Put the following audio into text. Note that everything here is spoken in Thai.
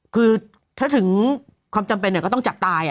คือถ้าถึงความจำเป็นก็ต้องจับตาย